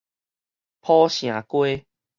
浦城街